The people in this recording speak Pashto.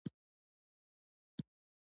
آیا دوی موزیمونه او تیاترونه نه ساتي؟